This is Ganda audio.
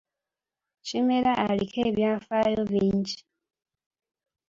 Kimera aliko ebyafaayo bingi.